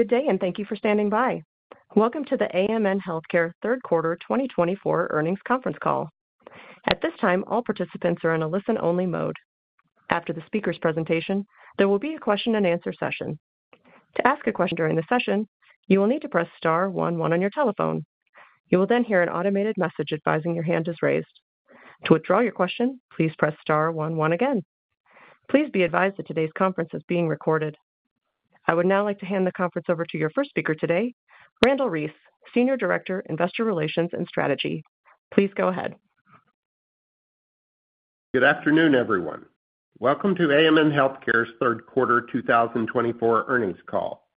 Good day, and thank you for standing by. Welcome to the AMN Healthcare Third Quarter 2024 earnings conference call. At this time, all participants are in a listen-only mode. After the speaker's presentation, there will be a question-and-answer session. To ask a question during the session, you will need to press star 11 on your telephone. You will then hear an automated message advising your hand is raised. To withdraw your question, please press star 11 again. Please be advised that today's conference is being recorded. I would now like to hand the conference over to your first speaker today, Randle Reece, Senior Director, Investor Relations and Strategy. Please go ahead. Good afternoon, everyone. Welcome to AMN Healthcare's Third Quarter 2024 earnings call.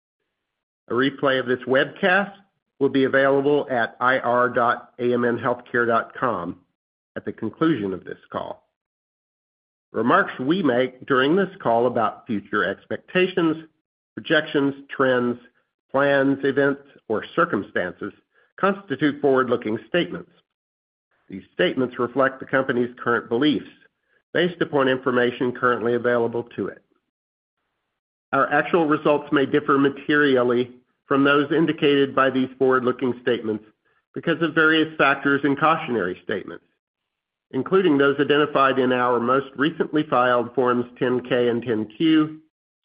A replay of this webcast will be available at ir.amnhealthcare.com at the conclusion of this call. Remarks we make during this call about future expectations, projections, trends, plans, events, or circumstances constitute forward-looking statements. These statements reflect the company's current beliefs based upon information currently available to it. Our actual results may differ materially from those indicated by these forward-looking statements because of various factors and cautionary statements, including those identified in our most recently filed Forms 10-K and 10-Q,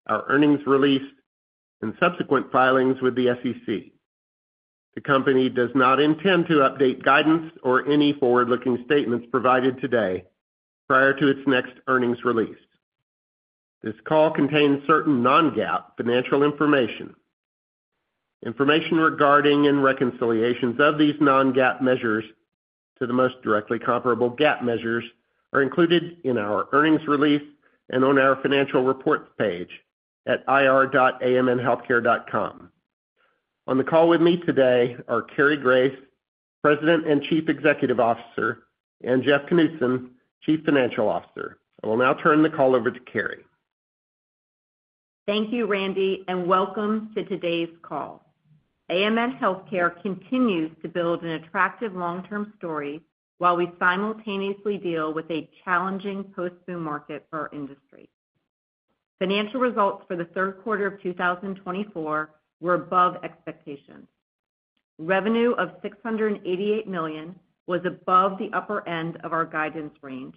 our earnings release, and subsequent filings with the SEC. The company does not intend to update guidance or any forward-looking statements provided today prior to its next earnings release. This call contains certain non-GAAP financial information. Information regarding and reconciliations of these non-GAAP measures to the most directly comparable GAAP measures are included in our earnings release and on our financial reports page at ir.amnhealthcare.com. On the call with me today are Cary Grace, President and Chief Executive Officer, and Jeff Knudson, Chief Financial Officer. I will now turn the call over to Cary. Thank you, Randle, and welcome to today's call. AMN Healthcare continues to build an attractive long-term story while we simultaneously deal with a challenging post-boom market for our industry. Financial results for the third quarter of 2024 were above expectations. Revenue of $688 million was above the upper end of our guidance range,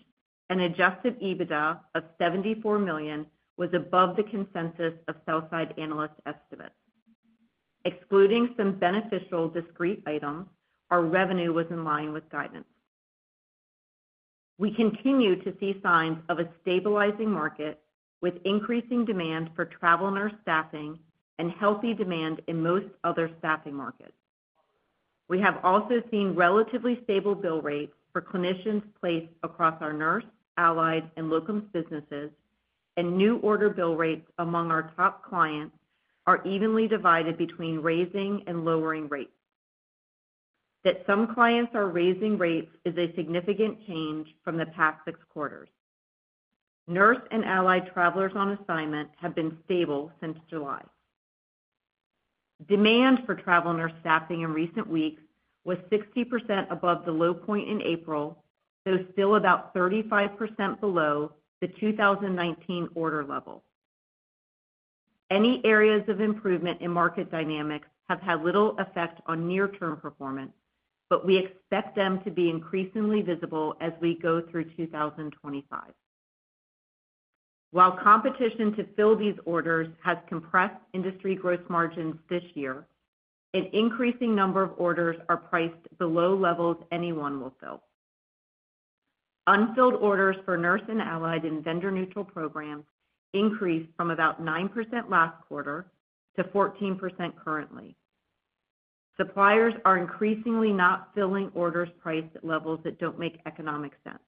and adjusted EBITDA of $74 million was above the consensus of sell-side analyst estimates. Excluding some beneficial discrete items, our revenue was in line with guidance. We continue to see signs of a stabilizing market with increasing demand for travel nurse staffing and healthy demand in most other staffing markets. We have also seen relatively stable bill rates for clinicians placed across our nurse, allied, and locums businesses, and new order bill rates among our top clients are evenly divided between raising and lowering rates. That some clients are raising rates is a significant change from the past six quarters. Nurse and allied travelers on assignment have been stable since July. Demand for travel nurse staffing in recent weeks was 60% above the low point in April, though still about 35% below the 2019 order level. Any areas of improvement in market dynamics have had little effect on near-term performance, but we expect them to be increasingly visible as we go through 2025. While competition to fill these orders has compressed industry gross margins this year, an increasing number of orders are priced below levels anyone will fill. Unfilled orders for nurse and allied and vendor-neutral programs increased from about 9% last quarter to 14% currently. Suppliers are increasingly not filling orders priced at levels that don't make economic sense,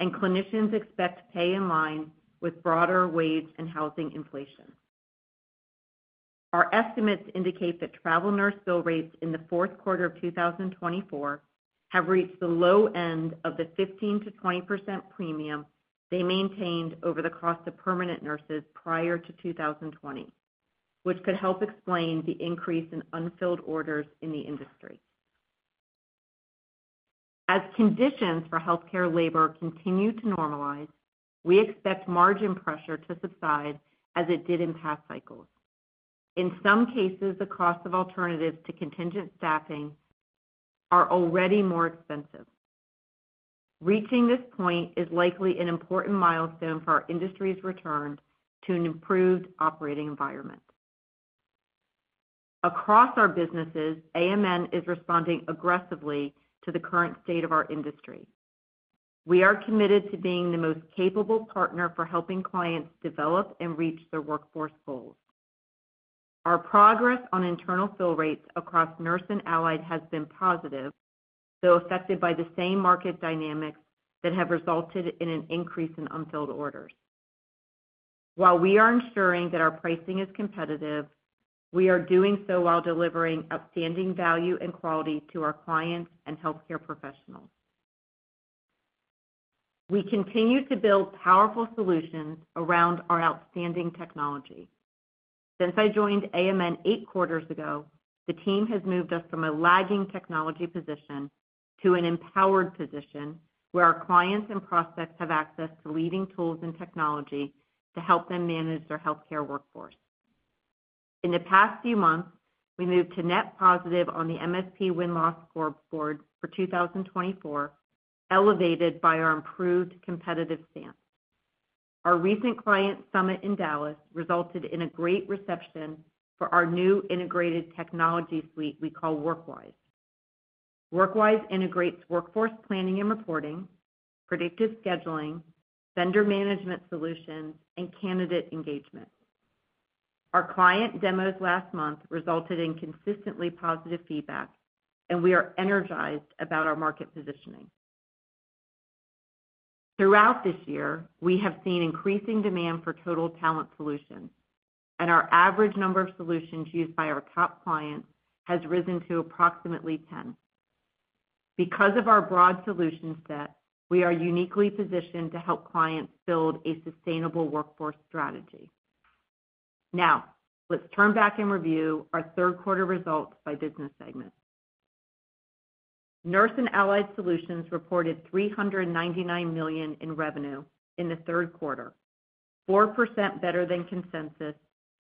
and clinicians expect pay in line with broader wage and housing inflation. Our estimates indicate that travel nurse bill rates in the fourth quarter of 2024 have reached the low end of the 15%-20% premium they maintained over the cost of permanent nurses prior to 2020, which could help explain the increase in unfilled orders in the industry. As conditions for healthcare labor continue to normalize, we expect margin pressure to subside as it did in past cycles. In some cases, the cost of alternatives to contingent staffing are already more expensive. Reaching this point is likely an important milestone for our industry's return to an improved operating environment. Across our businesses, AMN is responding aggressively to the current state of our industry. We are committed to being the most capable partner for helping clients develop and reach their workforce goals. Our progress on internal fill rates across Nurse and Allied has been positive, though affected by the same market dynamics that have resulted in an increase in unfilled orders. While we are ensuring that our pricing is competitive, we are doing so while delivering outstanding value and quality to our clients and healthcare professionals. We continue to build powerful solutions around our outstanding technology. Since I joined AMN eight quarters ago, the team has moved us from a lagging technology position to an empowered position where our clients and prospects have access to leading tools and technology to help them manage their healthcare workforce. In the past few months, we moved to net positive on the MSP Win-Loss Scoreboard for 2024, elevated by our improved competitive stance. Our recent client summit in Dallas resulted in a great reception for our new integrated technology suite we call WorkWise. WorkWise integrates workforce planning and reporting, predictive scheduling, vendor management solutions, and candidate engagement. Our client demos last month resulted in consistently positive feedback, and we are energized about our market positioning. Throughout this year, we have seen increasing demand for total talent solutions, and our average number of solutions used by our top clients has risen to approximately 10. Because of our broad solution set, we are uniquely positioned to help clients build a sustainable workforce strategy. Now, let's turn back and review our third quarter results by business segment. Nurse and Allied Solutions reported $399 million in revenue in the third quarter, 4% better than consensus,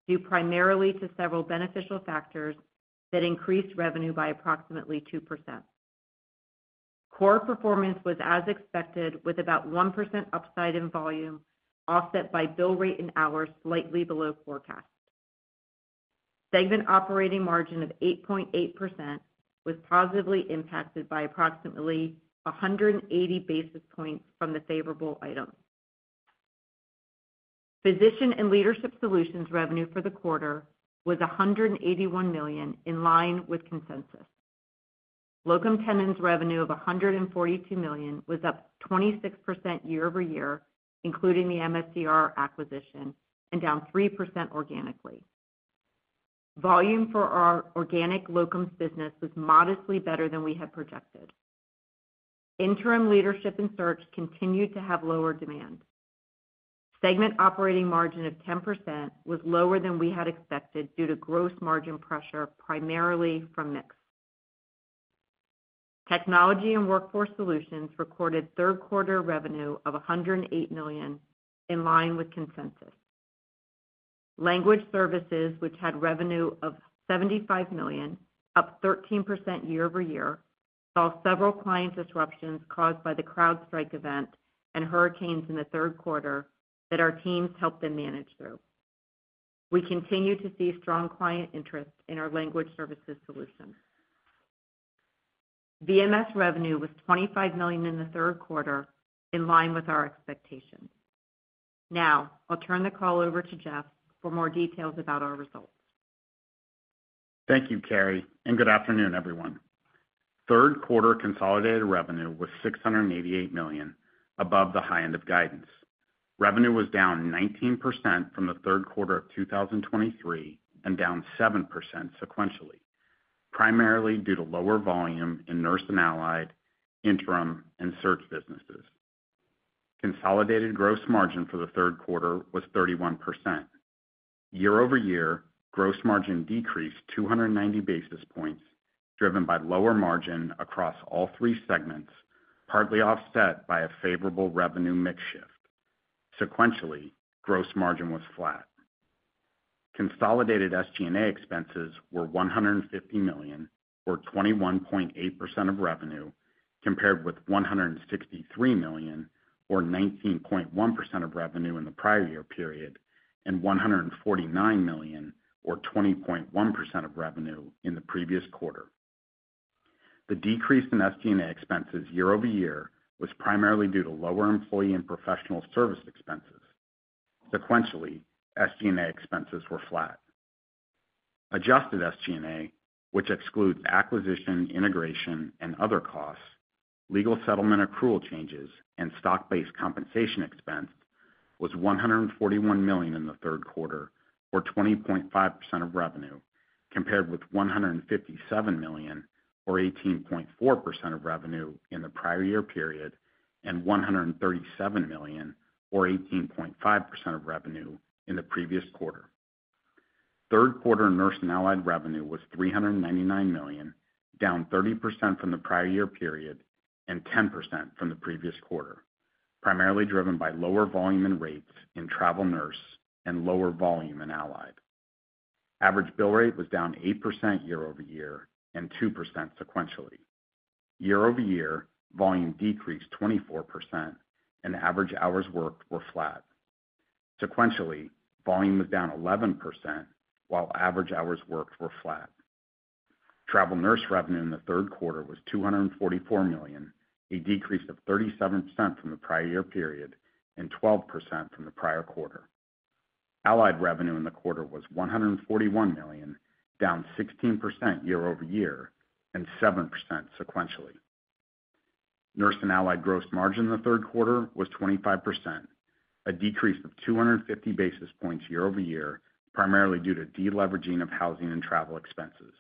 due primarily to several beneficial factors that increased revenue by approximately 2%. Core performance was as expected, with about 1% upside in volume, offset by bill rate and hours slightly below forecast. Segment operating margin of 8.8% was positively impacted by approximately 180 basis points from the favorable items. Physician and Leadership Solutions revenue for the quarter was $181 million, in line with consensus. Locum tenens revenue of $142 million was up 26% year over year, including the MSDR acquisition, and down 3% organically. Volume for our organic locums business was modestly better than we had projected. Interim leadership and search continued to have lower demand. Segment operating margin of 10% was lower than we had expected due to gross margin pressure primarily from mix. Technology and Workforce Solutions recorded third quarter revenue of $108 million, in line with consensus. Language services, which had revenue of $75 million, up 13% year over year, saw several client disruptions caused by the CrowdStrike event and hurricanes in the third quarter that our teams helped them manage through. We continue to see strong client interest in our language services solutions. VMS revenue was $25 million in the third quarter, in line with our expectations. Now, I'll turn the call over to Jeff for more details about our results. Thank you, Cary, and good afternoon, everyone. Third quarter consolidated revenue was $688 million, above the high end of guidance. Revenue was down 19% from the third quarter of 2023 and down 7% sequentially, primarily due to lower volume in nurse and allied, interim, and search businesses. Consolidated gross margin for the third quarter was 31%. Year over year, gross margin decreased 290 basis points, driven by lower margin across all three segments, partly offset by a favorable revenue mix shift. Sequentially, gross margin was flat. Consolidated SG&A expenses were $150 million, or 21.8% of revenue, compared with $163 million, or 19.1% of revenue in the prior year period, and $149 million, or 20.1% of revenue, in the previous quarter. The decrease in SG&A expenses year over year was primarily due to lower employee and professional service expenses. Sequentially, SG&A expenses were flat. Adjusted SG&A, which excludes acquisition, integration, and other costs, legal settlement accrual changes, and stock-based compensation expense, was $141 million in the third quarter, or 20.5% of revenue, compared with $157 million, or 18.4% of revenue in the prior year period, and $137 million, or 18.5% of revenue, in the previous quarter. Third quarter nurse and allied revenue was $399 million, down 30% from the prior year period and 10% from the previous quarter, primarily driven by lower volume and rates in travel nurse and lower volume and allied. Average bill rate was down 8% year over year and 2% sequentially. Year over year, volume decreased 24%, and average hours worked were flat. Sequentially, volume was down 11%, while average hours worked were flat. Travel nurse revenue in the third quarter was $244 million, a decrease of 37% from the prior year period and 12% from the prior quarter. Allied revenue in the quarter was $141 million, down 16% year over year and 7% sequentially. Nurse and Allied gross margin in the third quarter was 25%, a decrease of 250 basis points year over year, primarily due to deleveraging of housing and travel expenses.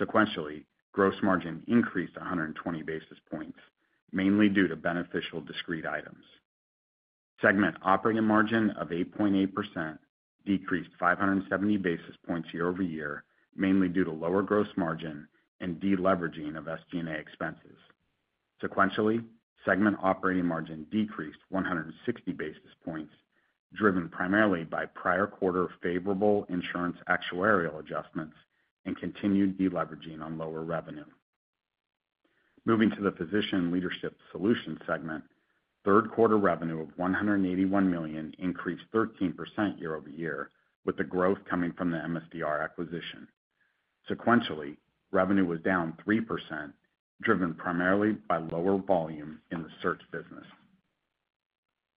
Sequentially, gross margin increased 120 basis points, mainly due to beneficial discrete items. Segment operating margin of 8.8% decreased 570 basis points year over year, mainly due to lower gross margin and deleveraging of SG&A expenses. Sequentially, segment operating margin decreased 160 basis points, driven primarily by prior quarter favorable insurance actuarial adjustments and continued deleveraging on lower revenue. Moving to the Physician Leadership Solutions segment, third quarter revenue of $181 million increased 13% year over year, with the growth coming from the MSDR acquisition. Sequentially, revenue was down 3%, driven primarily by lower volume in the search business.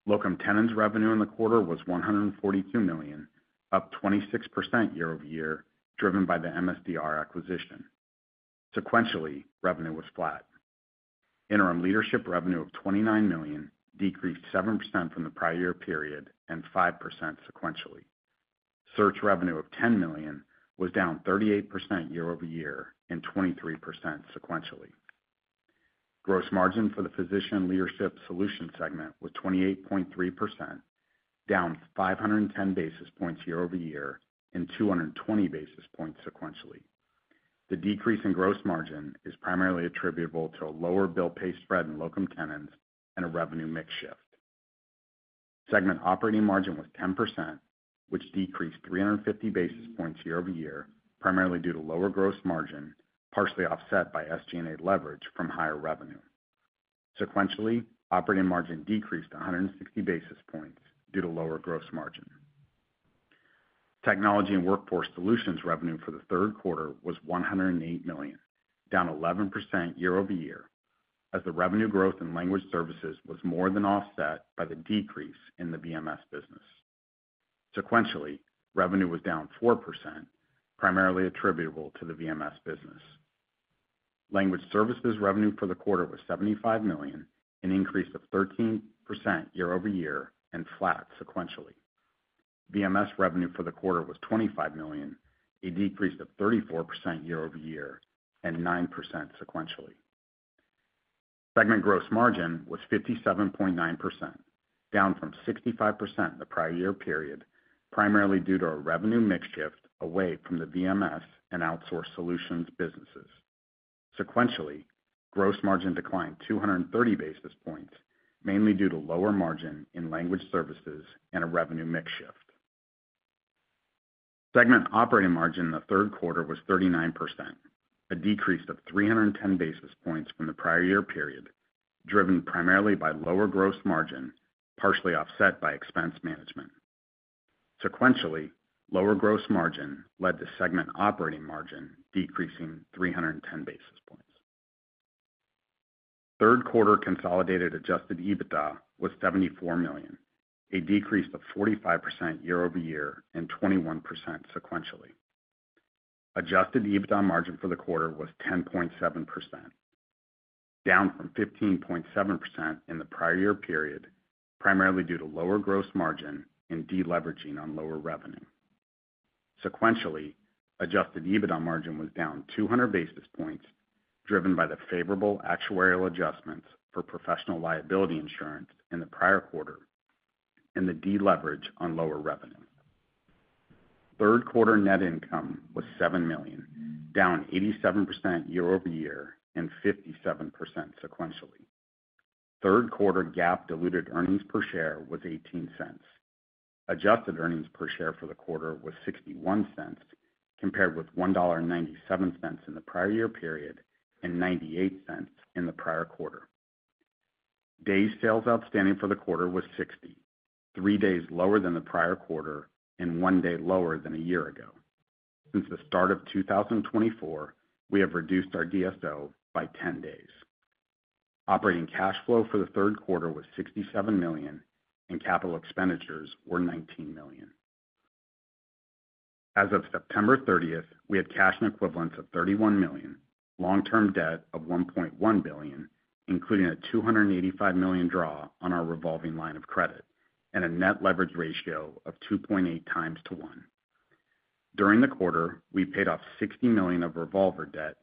Locum tenens revenue in the quarter was $142 million, up 26% year over year, driven by the MSDR acquisition. Sequentially, revenue was flat. Interim leadership revenue of $29 million decreased 7% from the prior year period and 5% sequentially. Search revenue of $10 million was down 38% year over year and 23% sequentially. Gross margin for the physician leadership solutions segment was 28.3%, down 510 basis points year over year and 220 basis points sequentially. The decrease in gross margin is primarily attributable to a lower bill pay spread in locum tenens and a revenue mix shift. Segment operating margin was 10%, which decreased 350 basis points year over year, primarily due to lower gross margin, partially offset by SG&A leverage from higher revenue. Sequentially, operating margin decreased 160 basis points due to lower gross margin. Technology and Workforce Solutions revenue for the third quarter was $108 million, down 11% year over year, as the revenue growth in language services was more than offset by the decrease in the VMS business. Sequentially, revenue was down 4%, primarily attributable to the VMS business. Language services revenue for the quarter was $75 million, an increase of 13% year over year and flat sequentially. VMS revenue for the quarter was $25 million, a decrease of 34% year over year and 9% sequentially. Segment gross margin was 57.9%, down from 65% the prior year period, primarily due to a revenue mix shift away from the VMS and outsource solutions businesses. Sequentially, gross margin declined 230 basis points, mainly due to lower margin in language services and a revenue mix shift. Segment operating margin in the third quarter was 39%, a decrease of 310 basis points from the prior year period, driven primarily by lower gross margin, partially offset by expense management. Sequentially, lower gross margin led to segment operating margin decreasing 310 basis points. Third quarter consolidated adjusted EBITDA was $74 million, a decrease of 45% year over year and 21% sequentially. Adjusted EBITDA margin for the quarter was 10.7%, down from 15.7% in the prior year period, primarily due to lower gross margin and deleveraging on lower revenue. Sequentially, adjusted EBITDA margin was down 200 basis points, driven by the favorable actuarial adjustments for professional liability insurance in the prior quarter and the deleverage on lower revenue. Third quarter net income was $7 million, down 87% year over year and 57% sequentially. Third quarter GAAP diluted earnings per share was $0.18. Adjusted earnings per share for the quarter was $0.61, compared with $197 in the prior year period and $0.98 in the prior quarter. Day Sales Outstanding for the quarter was 60, three days lower than the prior quarter and one day lower than a year ago. Since the start of 2024, we have reduced our DSO by 10 days. Operating cash flow for the third quarter was $67 million, and capital expenditures were $19 million. As of September 30th, we had cash and equivalents of $31 million, long-term debt of $1.1 billion, including a $285 million draw on our revolving line of credit, and a net leverage ratio of 2.8 times to 1. During the quarter, we paid off $60 million of revolver debt,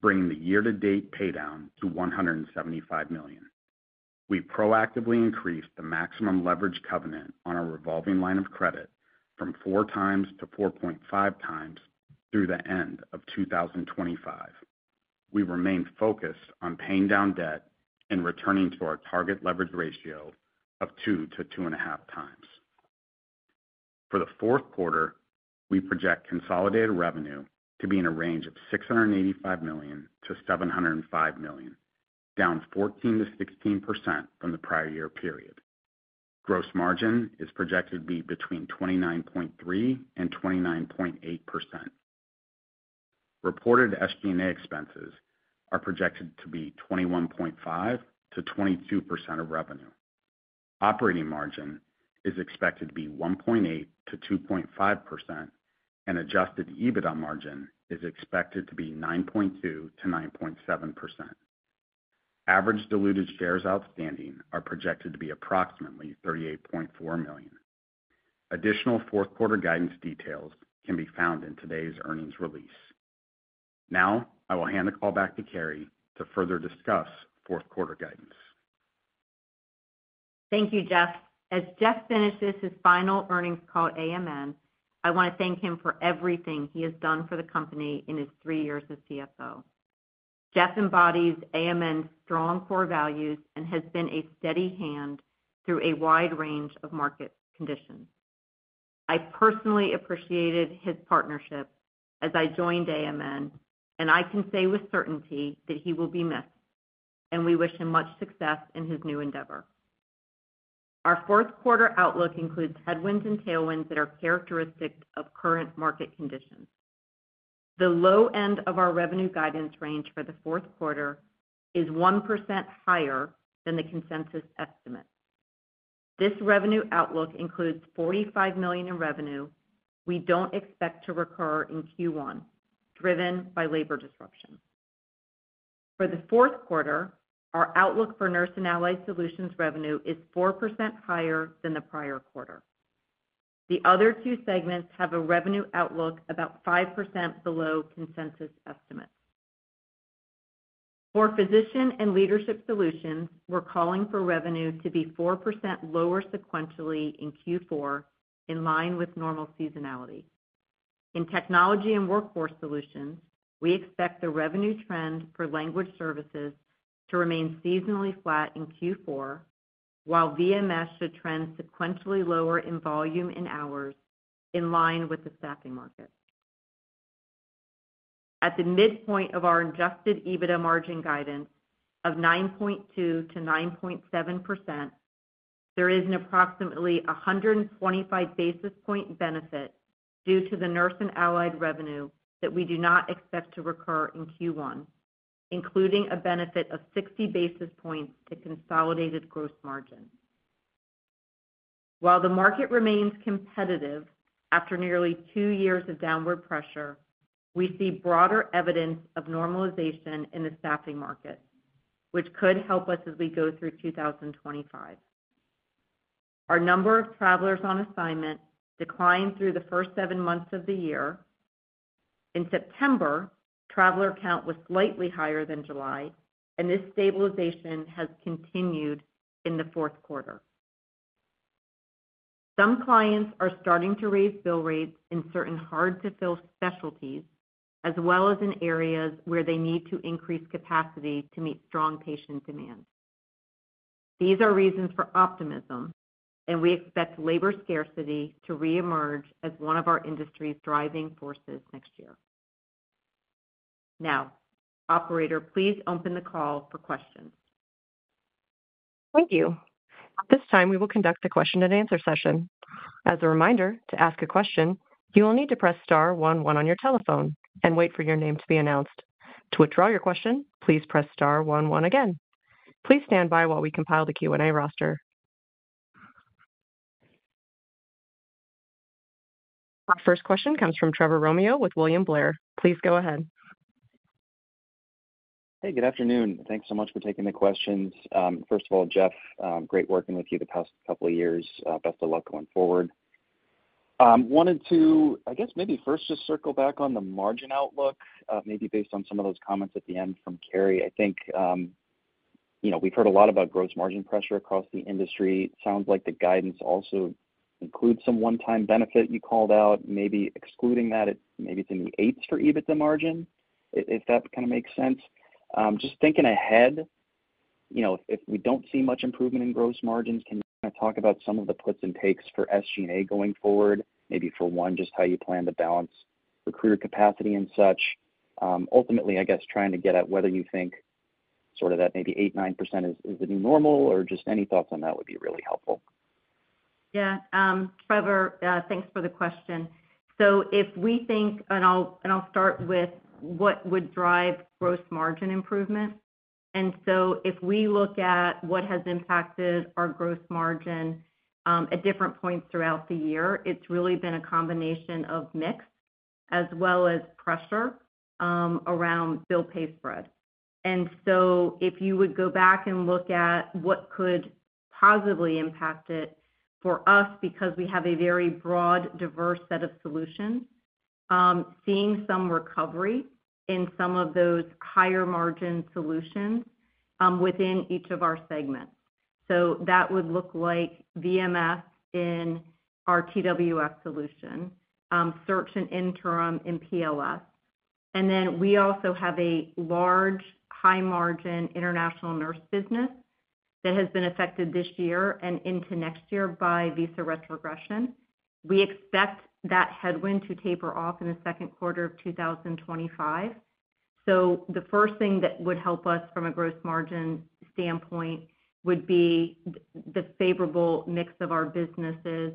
bringing the year-to-date paydown to $175 million. We proactively increased the maximum leverage covenant on our revolving line of credit from 4 times to 4.5 times through the end of 2025. We remain focused on paying down debt and returning to our target leverage ratio of 2 to 2.5 times. For the fourth quarter, we project consolidated revenue to be in a range of $685 million-$705 million, down 14%-16% from the prior year period. Gross margin is projected to be between 29.3% and 29.8%. Reported SG&A expenses are projected to be 21.5%-22% of revenue. Operating margin is expected to be 1.8%-2.5%, and Adjusted EBITDA margin is expected to be 9.2%-9.7%. Average diluted shares outstanding are projected to be approximately 38.4 million. Additional fourth quarter guidance details can be found in today's earnings release. Now, I will hand the call back to Cary to further discuss fourth quarter guidance. Thank you, Jeff. As Jeff finishes his final earnings call at AMN, I want to thank him for everything he has done for the company in his three years as CFO. Jeff embodies AMN's strong core values and has been a steady hand through a wide range of market conditions. I personally appreciated his partnership as I joined AMN, and I can say with certainty that he will be missed, and we wish him much success in his new endeavor. Our fourth quarter outlook includes headwinds and tailwinds that are characteristic of current market conditions. The low end of our revenue guidance range for the fourth quarter is 1% higher than the consensus estimate. This revenue outlook includes $45 million in revenue we don't expect to recur in Q1, driven by labor disruption. For the fourth quarter, our outlook for Nurse and Allied Solutions revenue is 4% higher than the prior quarter. The other two segments have a revenue outlook about 5% below consensus estimates. For Physician and Leadership Solutions, we're calling for revenue to be 4% lower sequentially in Q4, in line with normal seasonality. In Technology and Workforce Solutions, we expect the revenue trend for language services to remain seasonally flat in Q4, while VMS should trend sequentially lower in volume and hours, in line with the staffing market. At the midpoint of our Adjusted EBITDA margin guidance of 9.2% to 9.7%, there is an approximately 125 basis points benefit due to the Nurse and Allied Solutions revenue that we do not expect to recur in Q1, including a benefit of 60 basis points to consolidated gross margin. While the market remains competitive after nearly two years of downward pressure, we see broader evidence of normalization in the staffing market, which could help us as we go through 2025. Our number of travelers on assignment declined through the first seven months of the year. In September, traveler count was slightly higher than July, and this stabilization has continued in the fourth quarter. Some clients are starting to raise bill rates in certain hard-to-fill specialties, as well as in areas where they need to increase capacity to meet strong patient demand. These are reasons for optimism, and we expect labor scarcity to reemerge as one of our industry's driving forces next year. Now, Operator, please open the call for questions. Thank you. At this time, we will conduct the question-and-answer session. As a reminder, to ask a question, you will need to press star 11 on your telephone and wait for your name to be announced. To withdraw your question, please press star 11 again. Please stand by while we compile the Q&A roster. Our first question comes from Trevor Romeo with William Blair. Please go ahead. Hey, good afternoon. Thanks so much for taking the questions. First of all, Jeff, great working with you the past couple of years. Best of luck going forward. I wanted to, I guess, maybe first just circle back on the margin outlook, maybe based on some of those comments at the end from Cary. I think we've heard a lot about gross margin pressure across the industry. Sounds like the guidance also includes some one-time benefit you called out. Maybe excluding that, maybe it's in the eights for EBITDA margin, if that kind of makes sense. Just thinking ahead, if we don't see much improvement in gross margins, can you kind of talk about some of the puts and takes for SG&A going forward? Maybe for one, just how you plan to balance recruiter capacity and such. Ultimately, I guess, trying to get at whether you think sort of that maybe 8%, 9% is the new normal, or just any thoughts on that would be really helpful. Yeah. Trevor, thanks for the question. So if we think, and I'll start with what would drive gross margin improvement. If we look at what has impacted our growth margin at different points throughout the year, it’s really been a combination of mix as well as pressure around bill pay spread. If you would go back and look at what could positively impact it for us, because we have a very broad, diverse set of solutions, seeing some recovery in some of those higher margin solutions within each of our segments. That would look like VMS in our TWF solution, search and interim in PLS. We also have a large, high-margin international nurse business that has been affected this year and into next year by visa retrogression. We expect that headwind to taper off in the second quarter of 2025. So the first thing that would help us from a gross margin standpoint would be the favorable mix of our businesses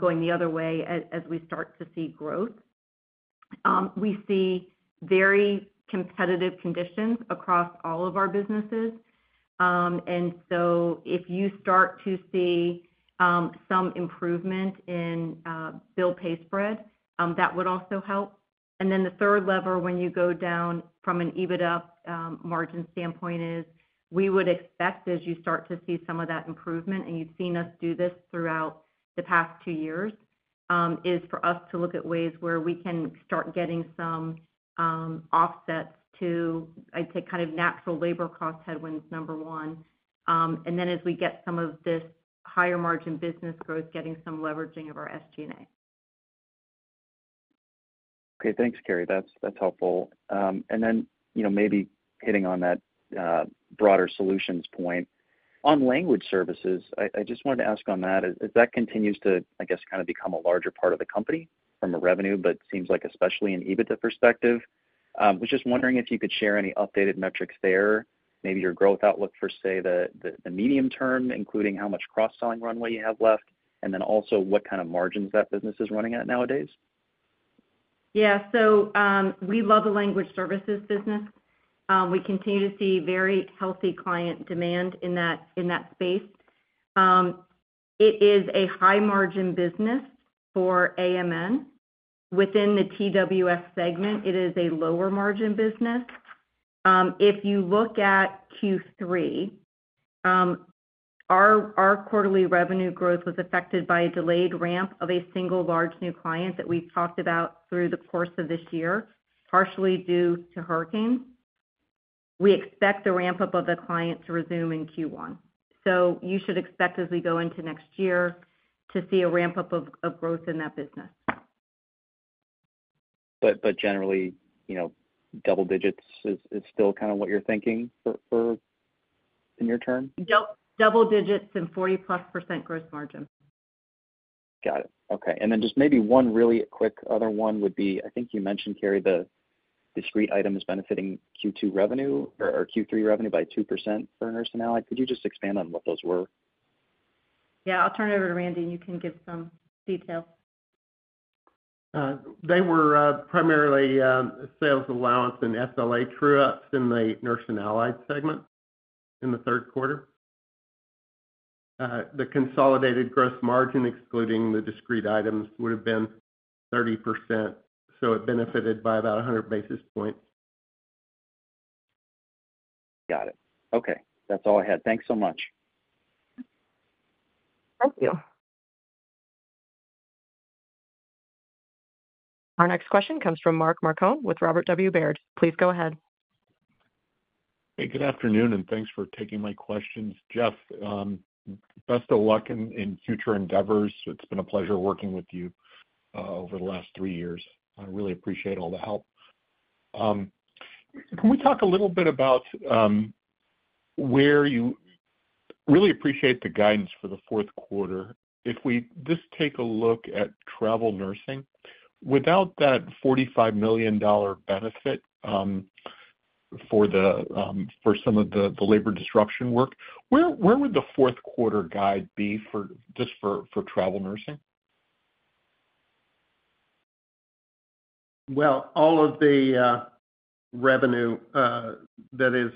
going the other way as we start to see growth. We see very competitive conditions across all of our businesses. And so if you start to see some improvement in bill pay spread, that would also help. And then the third lever, when you go down from an EBITDA margin standpoint, is we would expect, as you start to see some of that improvement, and you've seen us do this throughout the past two years, is for us to look at ways where we can start getting some offsets to, I'd say, kind of natural labor cost headwinds, number one. And then as we get some of this higher margin business growth, getting some leveraging of our SG&A. Okay. Thanks, Cary. That's helpful. And then maybe hitting on that broader solutions point on language services, I just wanted to ask on that, as that continues to, I guess, kind of become a larger part of the company from a revenue perspective, but seems like especially an EBITDA perspective. I was just wondering if you could share any updated metrics there, maybe your growth outlook for, say, the medium term, including how much cross-selling runway you have left, and then also what kind of margins that business is running at nowadays. Yeah. So we love the language services business. We continue to see very healthy client demand in that space. It is a high-margin business for AMN. Within the TWF segment, it is a lower-margin business. If you look at Q3, our quarterly revenue growth was affected by a delayed ramp of a single large new client that we've talked about through the course of this year, partially due to hurricanes. We expect the ramp-up of the client to resume in Q1. So you should expect, as we go into next year, to see a ramp-up of growth in that business. But generally, double digits is still kind of what you're thinking in your term? Yep. Double digits and 40-plus% gross margin. Got it. Okay. And then just maybe one really quick other one would be, I think you mentioned, Cary, the discrete item is benefiting Q2 revenue or Q3 revenue by 2% for nurse and allied. Could you just expand on what those were? Yeah. I'll turn it over to Randy, and you can give some details. They were primarily sales allowance and SLA true-ups in the nurse and allied segment in the third quarter. The consolidated gross margin, excluding the discrete items, would have been 30%. So it benefited by about 100 basis points. Got it. Okay. That's all I had. Thanks so much. Thank you. Our next question comes from Mark Marcon with Robert W. Baird. Please go ahead. Hey, good afternoon, and thanks for taking my questions. Jeff, best of luck in future endeavors. It's been a pleasure working with you over the last three years. I really appreciate all the help. Can we talk a little bit about where you really appreciate the guidance for the fourth quarter? If we just take a look at travel nursing, without that $45 million benefit for some of the labor disruption work, where would the fourth quarter guide be just for travel nursing? All of the revenue that is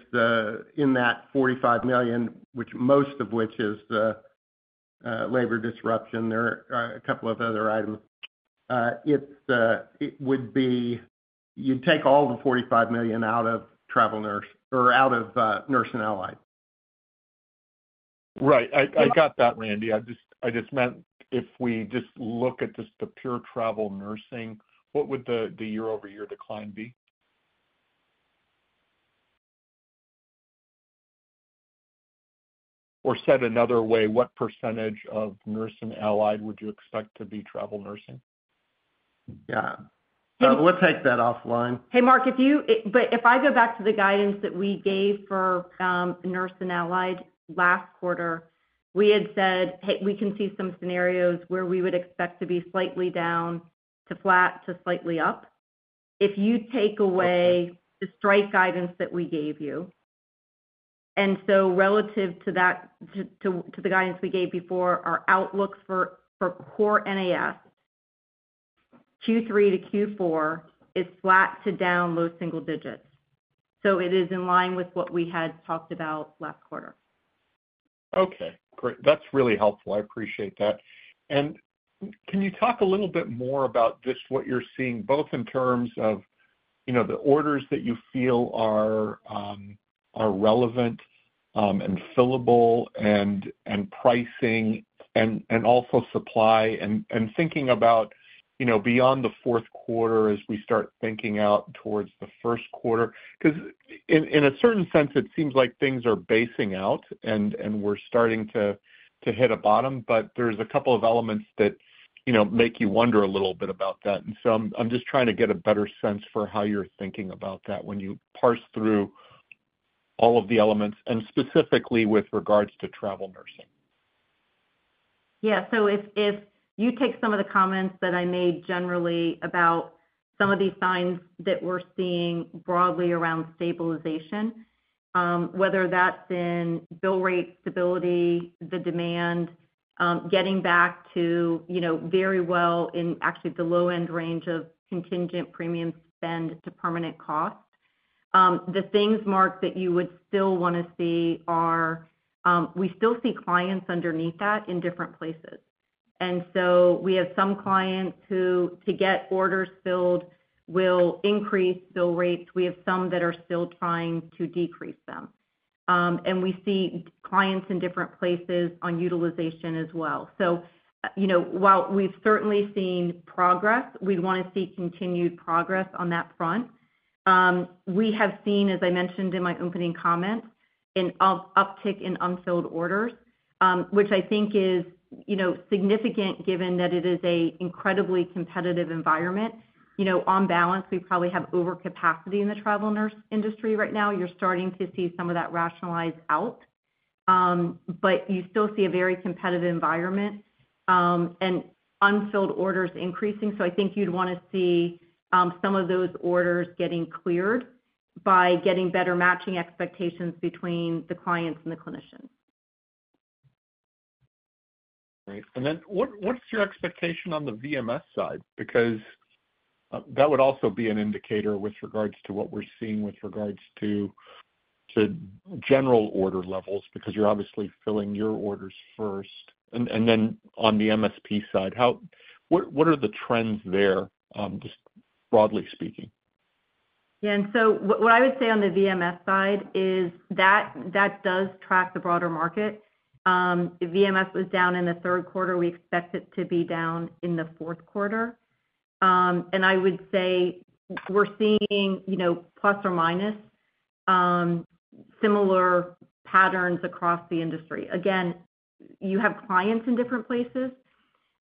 in that $45 million, most of which is the labor disruption, there are a couple of other items. It would be you'd take all the $45 million out of travel nurse or out of nurse and allied. Right. I got that, Randy. I just meant if we just look at just the pure travel nursing, what would the year-over-year decline be? Or said another way, what percentage of nurse and allied would you expect to be travel nursing? Yeah. Let's take that offline. Hey, Mark, but if I go back to the guidance that we gave for nurse and allied last quarter, we had said, "Hey, we can see some scenarios where we would expect to be slightly down to flat to slightly up." If you take away the strike guidance that we gave you, and so relative to the guidance we gave before, our outlook for core NAS Q3 to Q4 is flat to down low single digits. So it is in line with what we had talked about last quarter. Okay. Great. That's really helpful. I appreciate that. And can you talk a little bit more about just what you're seeing, both in terms of the orders that you feel are relevant and fillable and pricing and also supply, and thinking about beyond the fourth quarter as we start thinking out towards the first quarter? Because in a certain sense, it seems like things are basing out and we're starting to hit a bottom, but there's a couple of elements that make you wonder a little bit about that. And so I'm just trying to get a better sense for how you're thinking about that when you parse through all of the elements, and specifically with regards to travel nursing. Yeah. So if you take some of the comments that I made generally about some of these signs that we're seeing broadly around stabilization, whether that's in bill rate stability, the demand, getting back to very well in actually the low-end range of contingent premium spend to permanent cost, the things, Mark, that you would still want to see are we still see clients underneath that in different places. And so we have some clients who, to get orders filled, will increase bill rates. We have some that are still trying to decrease them. And we see clients in different places on utilization as well. So while we've certainly seen progress, we want to see continued progress on that front. We have seen, as I mentioned in my opening comments, an uptick in unfilled orders, which I think is significant given that it is an incredibly competitive environment. On balance, we probably have overcapacity in the travel nurse industry right now. You're starting to see some of that rationalize out. But you still see a very competitive environment and unfilled orders increasing. So I think you'd want to see some of those orders getting cleared by getting better matching expectations between the clients and the clinicians. Great. And then what's your expectation on the VMS side? Because that would also be an indicator with regards to what we're seeing with regards to general order levels, because you're obviously filling your orders first. And then on the MSP side, what are the trends there, just broadly speaking? Yeah. And so what I would say on the VMS side is that does track the broader market. VMS was down in the third quarter. We expect it to be down in the fourth quarter. And I would say we're seeing plus or minus similar patterns across the industry. Again, you have clients in different places.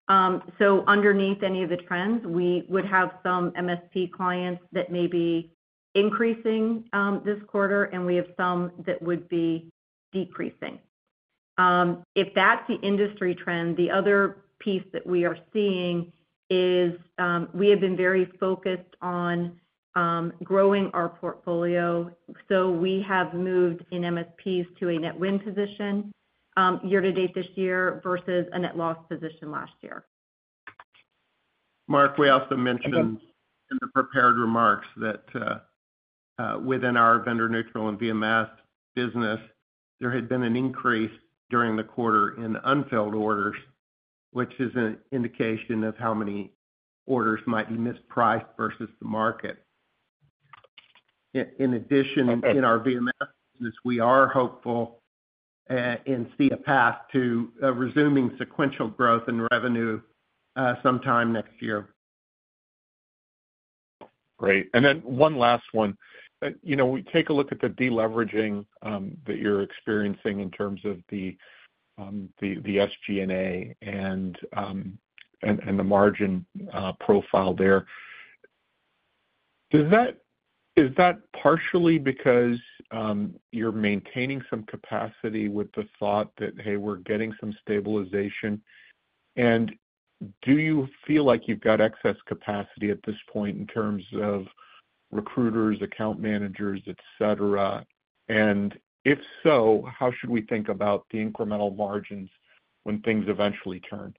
So underneath any of the trends, we would have some MSP clients that may be increasing this quarter, and we have some that would be decreasing. If that's the industry trend, the other piece that we are seeing is we have been very focused on growing our portfolio. So we have moved in MSPs to a net-win position year-to-date this year versus a net-loss position last year. Mark, we also mentioned in the prepared remarks that within our vendor-neutral and VMS business, there had been an increase during the quarter in unfilled orders, which is an indication of how many orders might be mispriced versus the market. In addition, in our VMS business, we are hopeful and see a path to resuming sequential growth and revenue sometime next year. Great. And then one last one. We take a look at the deleveraging that you're experiencing in terms of the SG&A and the margin profile there. Is that partially because you're maintaining some capacity with the thought that, "Hey, we're getting some stabilization"? And do you feel like you've got excess capacity at this point in terms of recruiters, account managers, etc.? And if so, how should we think about the incremental margins when things eventually turn?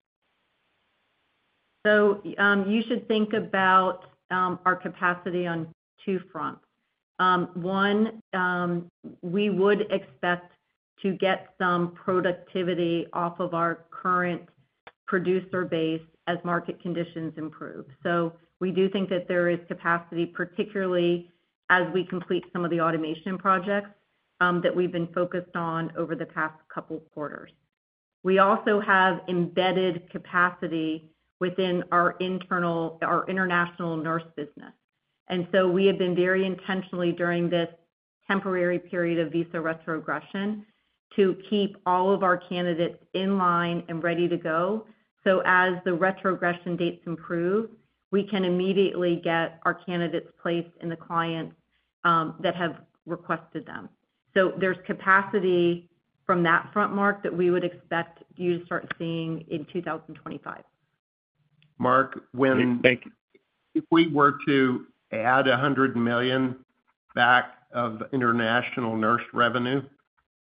So you should think about our capacity on two fronts. One, we would expect to get some productivity off of our current producer base as market conditions improve. So we do think that there is capacity, particularly as we complete some of the automation projects that we've been focused on over the past couple of quarters. We also have embedded capacity within our international nurse business. And so we have been very intentionally during this temporary period of visa retrogression to keep all of our candidates in line and ready to go. So as the retrogression dates improve, we can immediately get our candidates placed in the clients that have requested them. So there's capacity from that front, Mark, that we would expect you to start seeing in 2025. Mark, when. Thank you. If we were to add $100 million back of international nurse revenue,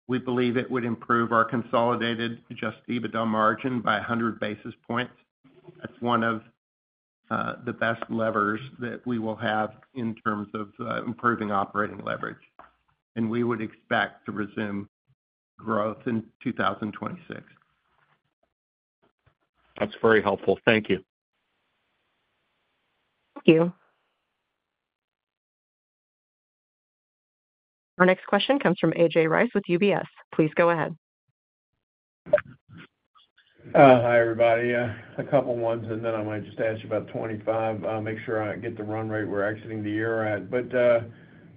we believe it would improve our consolidated adjusted EBITDA margin by 100 basis points. That's one of the best levers that we will have in terms of improving operating leverage. And we would expect to resume growth in 2026. That's very helpful. Thank you. Thank you. Our next question comes from A.J. Rice with UBS. Please go ahead. Hi, everybody. A couple of ones, and then I might just ask you about 25. Make sure I get the run rate we're exiting the year at. But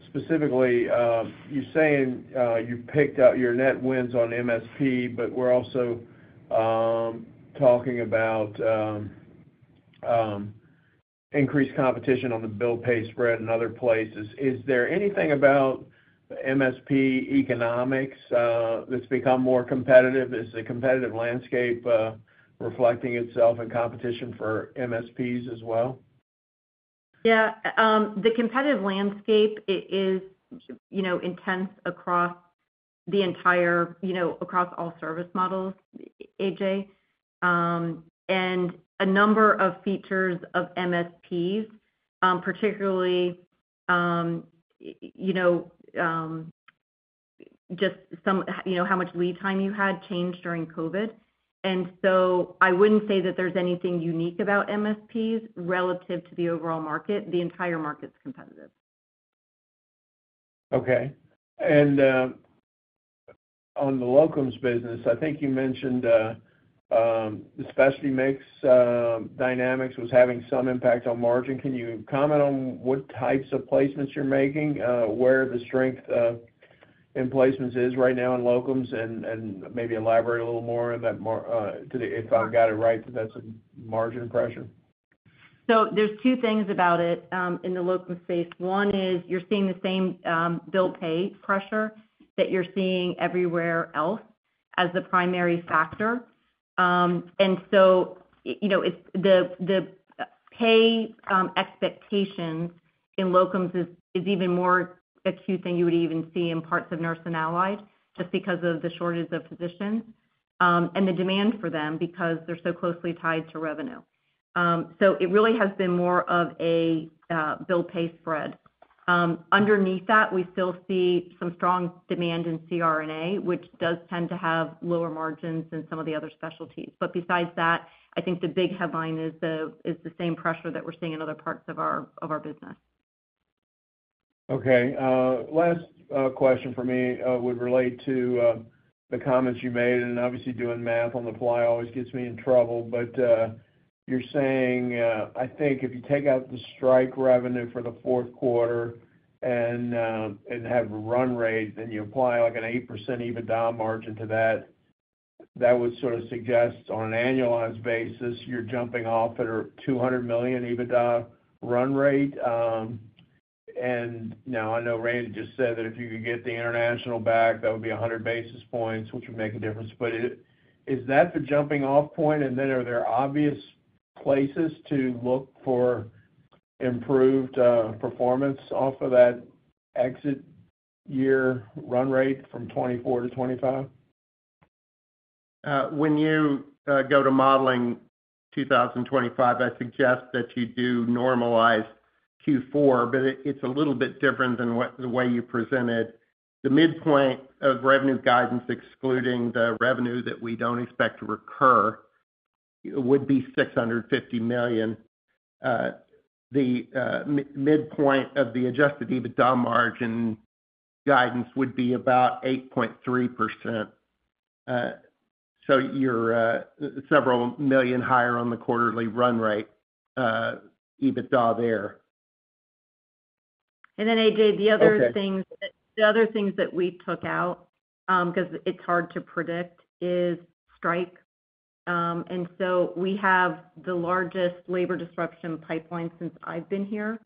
specifically, you're saying you've picked out your net wins on MSP, but we're also talking about increased competition on the bill pay spread in other places. Is there anything about MSP economics that's become more competitive? Is the competitive landscape reflecting itself in competition for MSPs as well? Yeah. The competitive landscape is intense across the entire all service models, AJ, and a number of features of MSPs, particularly just how much lead time you had changed during COVID. And so I wouldn't say that there's anything unique about MSPs relative to the overall market. The entire market's competitive. Okay, and on the locums business, I think you mentioned the specialty mix dynamics was having some impact on margin. Can you comment on what types of placements you're making, where the strength in placements is right now in locums, and maybe elaborate a little more on that if I've got it right, that that's a margin pressure? So there's two things about it in the locum space. One is you're seeing the same bill pay pressure that you're seeing everywhere else as the primary factor. And so the pay expectations in locums is even more acute than you would even see in parts of nurse and allied just because of the shortage of physicians and the demand for them because they're so closely tied to revenue. So it really has been more of a bill pay spread. Underneath that, we still see some strong demand in CRNA, which does tend to have lower margins than some of the other specialties. But besides that, I think the big headline is the same pressure that we're seeing in other parts of our business. Okay. Last question for me would relate to the comments you made. And obviously, doing math on the fly always gets me in trouble. But you're saying, I think if you take out the strike revenue for the fourth quarter and have a run rate and you apply an 8% EBITDA margin to that, that would sort of suggest on an annualized basis, you're jumping off at a $200 million EBITDA run rate. And now I know Randy just said that if you could get the international back, that would be 100 basis points, which would make a difference. But is that the jumping-off point? And then are there obvious places to look for improved performance off of that exit year run rate from 2024 to 2025? When you go to modeling 2025, I suggest that you do normalize Q4, but it's a little bit different than the way you presented. The midpoint of revenue guidance, excluding the revenue that we don't expect to recur, would be $650 million. The midpoint of the adjusted EBITDA margin guidance would be about 8.3%. So you're several million higher on the quarterly run rate EBITDA there. And then, AJ, the other things that we took out because it's hard to predict are strikes. And so we have the largest labor disruption pipeline since I've been here.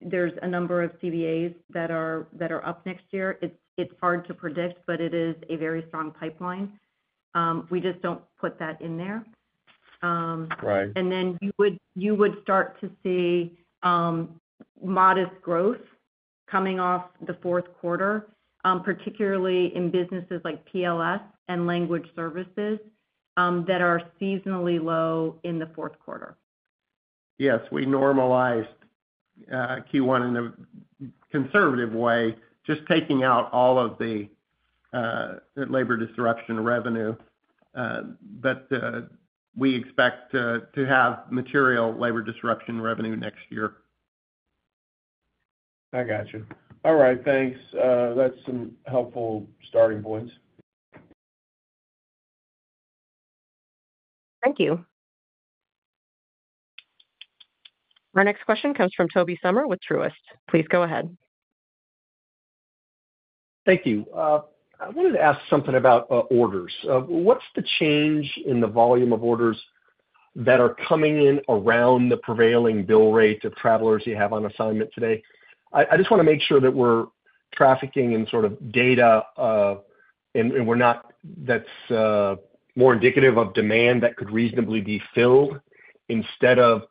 There's a number of CBAs that are up next year. It's hard to predict, but it is a very strong pipeline. We just don't put that in there. And then you would start to see modest growth coming off the fourth quarter, particularly in businesses like PLS and language services that are seasonally low in the fourth quarter. Yes. We normalized Q1 in a conservative way, just taking out all of the labor disruption revenue. But we expect to have material labor disruption revenue next year. I gotcha. All right. Thanks. That's some helpful starting points. Thank you. Our next question comes from Toby Sommer with Truist. Please go ahead. Thank you. I wanted to ask something about orders. What's the change in the volume of orders that are coming in around the prevailing bill rate of travelers you have on assignment today? I just want to make sure that we're trafficking in sort of data that's more indicative of demand that could reasonably be filled instead of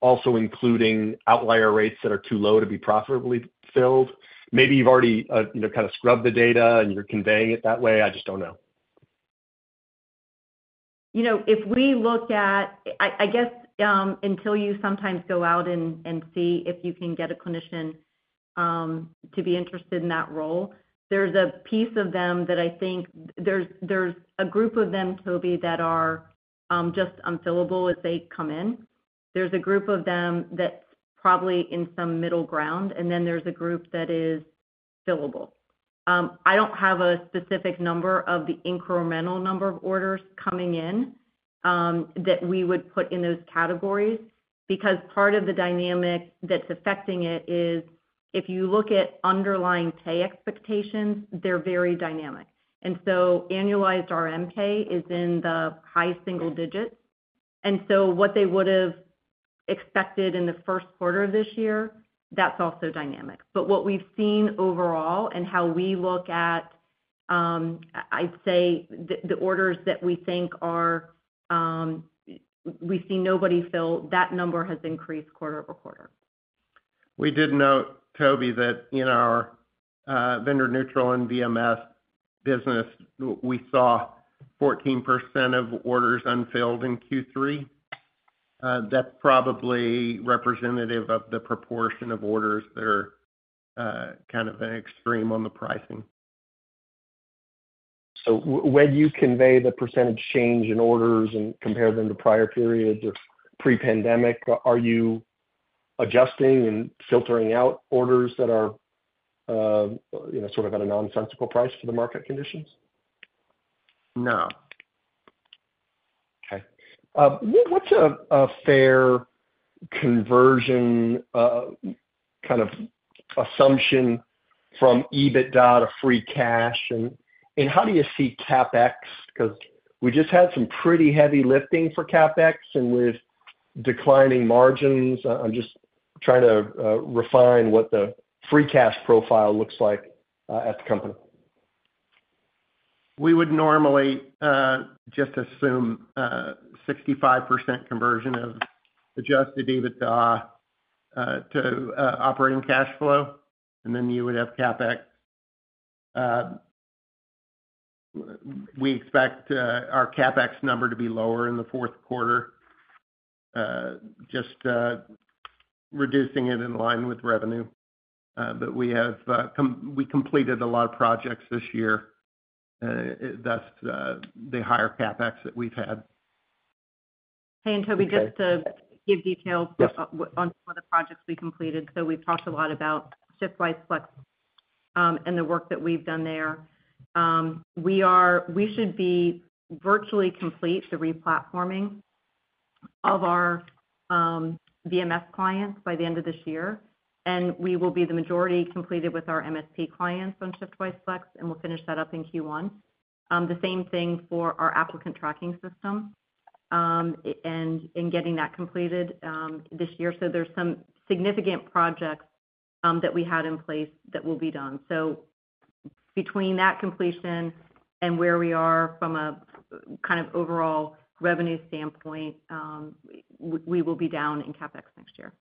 also including outlier rates that are too low to be profitably filled. Maybe you've already kind of scrubbed the data and you're conveying it that way. I just don't know. If we look at, I guess, until you sometimes go out and see if you can get a clinician to be interested in that role, there's a piece of them that I think there's a group of them, Toby, that are just unfillable as they come in. There's a group of them that's probably in some middle ground, and then there's a group that is fillable. I don't have a specific number of the incremental number of orders coming in that we would put in those categories because part of the dynamic that's affecting it is if you look at underlying pay expectations, they're very dynamic. So annualized RMpay is in the high single digits. So what they would have expected in the first quarter of this year, that's also dynamic. But what we've seen overall and how we look at, I'd say, the orders that we think we've seen nobody fill, that number has increased quarter over quarter. We did note, Toby, that in our vendor-neutral and VMS business, we saw 14% of orders unfilled in Q3. That's probably representative of the proportion of orders that are kind of an extreme on the pricing. So when you convey the percentage change in orders and compare them to prior periods or pre-pandemic, are you adjusting and filtering out orders that are sort of at a nonsensical price for the market conditions? No. Okay. What's a fair conversion kind of assumption from EBITDA to free cash? And how do you see CapEx? Because we just had some pretty heavy lifting for CapEx and with declining margins. I'm just trying to refine what the free cash profile looks like at the company. We would normally just assume 65% conversion of Adjusted EBITDA to operating cash flow, and then you would have CapEx. We expect our CapEx number to be lower in the fourth quarter, just reducing it in line with revenue, but we completed a lot of projects this year. That's the higher CapEx that we've had. Hey, and Toby, just to give details on some of the projects we completed, so we've talked a lot about ShiftWise Flex and the work that we've done there. We should be virtually complete the replatforming of our VMS clients by the end of this year, and we will be the majority completed with our MSP clients on ShiftWise Flex, and we'll finish that up in Q1. The same thing for our applicant tracking system and getting that completed this year, so there's some significant projects that we had in place that will be done. Between that completion and where we are from a kind of overall revenue standpoint, we will be down in CapEx next year.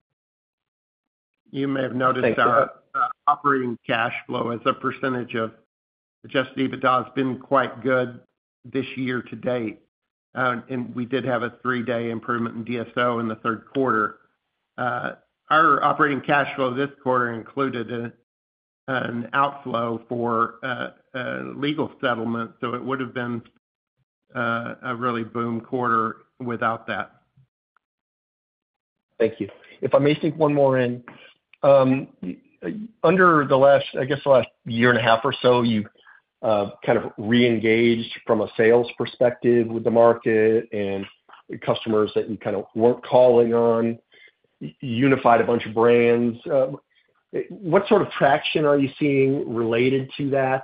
You may have noticed our operating cash flow as a percentage of Adjusted EBITDA has been quite good this year to date. And we did have a three-day improvement in DSO in the third quarter. Our operating cash flow this quarter included an outflow for legal settlement. So it would have been a really boom quarter without that. Thank you. If I may sneak one more in. Over the last, I guess, the last year and a half or so, you've kind of reengaged from a sales perspective with the market and customers that you kind of weren't calling on, unified a bunch of brands. What sort of traction are you seeing related to that?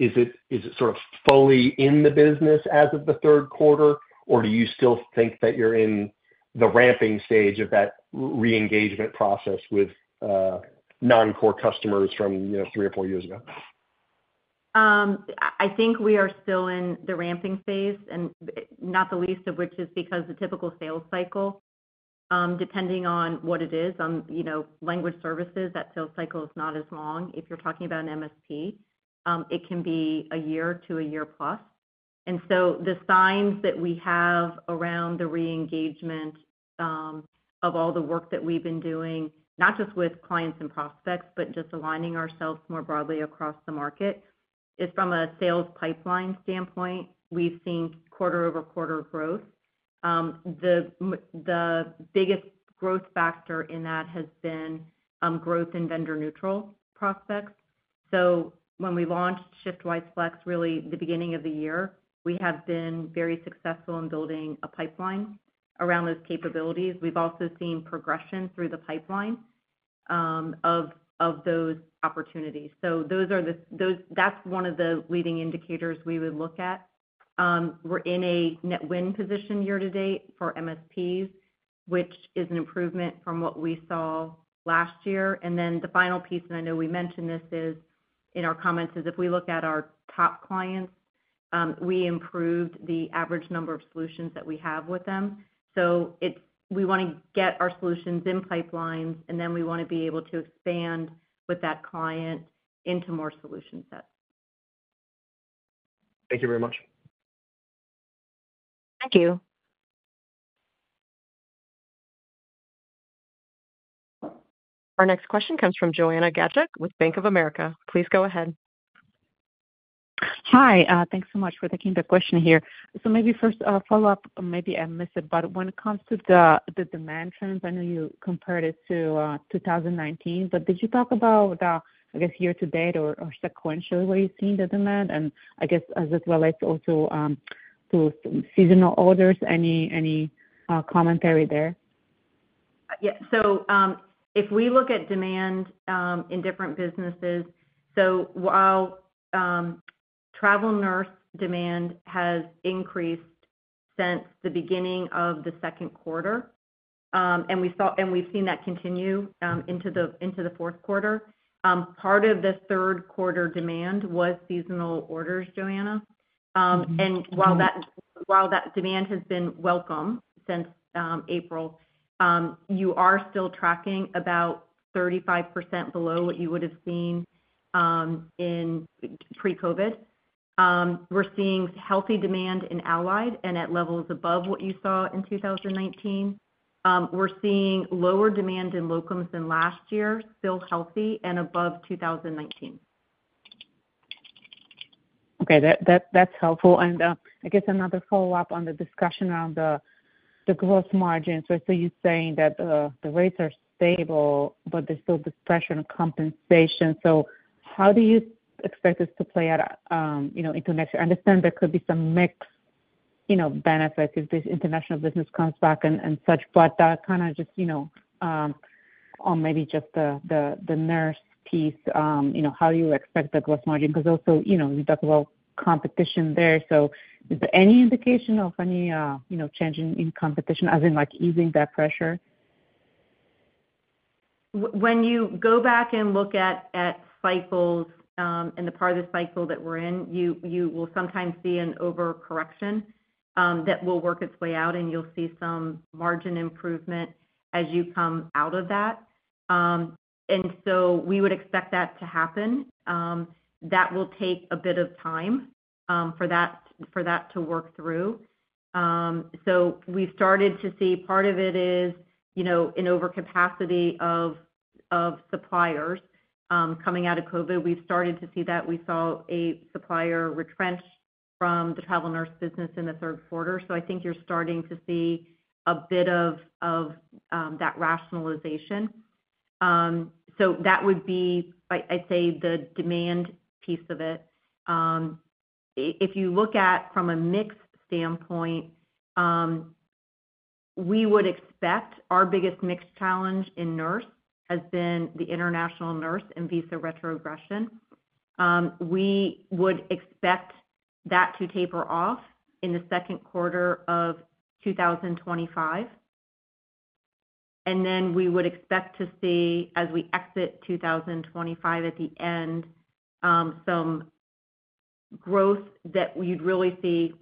And is it sort of fully in the business as of the third quarter, or do you still think that you're in the ramping stage of that reengagement process with non-core customers from three or four years ago? I think we are still in the ramping phase, and not the least of which is because the typical sales cycle, depending on what it is, on language services, that sales cycle is not as long. If you're talking about an MSP, it can be a year to a year plus. And so the signs that we have around the reengagement of all the work that we've been doing, not just with clients and prospects, but just aligning ourselves more broadly across the market, is from a sales pipeline standpoint, we've seen quarter over quarter growth. The biggest growth factor in that has been growth in vendor-neutral prospects. So when we launched ShiftWise Flex, really the beginning of the year, we have been very successful in building a pipeline around those capabilities. We've also seen progression through the pipeline of those opportunities. So that's one of the leading indicators we would look at. We're in a net win position year to date for MSPs, which is an improvement from what we saw last year. And then the final piece, and I know we mentioned this in our comments, is if we look at our top clients, we improved the average number of solutions that we have with them. So we want to get our solutions in pipelines, and then we want to be able to expand with that client into more solution sets. Thank you very much. Thank you. Our next question comes from Joanna Gajuk with Bank of America. Please go ahead. Hi. Thanks so much for taking the question here. So maybe first, a follow-up. Maybe I missed it, but when it comes to the demand trends, I know you compared it to 2019, but did you talk about, I guess, year to date or sequentially where you've seen the demand? And I guess as it relates also to seasonal orders, any commentary there? Yeah. So if we look at demand in different businesses, so while travel nurse demand has increased since the beginning of the second quarter, and we've seen that continue into the fourth quarter, part of the third quarter demand was seasonal orders, Joanna. And while that demand has been welcome since April, you are still tracking about 35% below what you would have seen in pre-COVID. We're seeing healthy demand in allied and at levels above what you saw in 2019. We're seeing lower demand in locums than last year, still healthy and above 2019. Okay. That's helpful, and I guess another follow-up on the discussion around the gross margins, so you're saying that the rates are stable, but there's still this pressure on compensation, so how do you expect this to play out into next year? I understand there could be some mixed benefits if this international business comes back and such, but kind of just on maybe just the nurse piece, how do you expect the gross margin? Because also you talked about competition there, so is there any indication of any change in competition, as in easing that pressure? When you go back and look at cycles and the part of the cycle that we're in, you will sometimes see an overcorrection that will work its way out, and you'll see some margin improvement as you come out of that. And so we would expect that to happen. That will take a bit of time for that to work through. So we've started to see part of it is an overcapacity of suppliers coming out of COVID. We've started to see that. We saw a supplier retrench from the travel nurse business in the third quarter. So I think you're starting to see a bit of that rationalization. So that would be, I'd say, the demand piece of it. If you look at from a mixed standpoint, we would expect our biggest mixed challenge in nurse has been the international nurse and visa retrogression. We would expect that to taper off in the second quarter of 2025, and then we would expect to see, as we exit 2025 at the end, some growth that you'd really see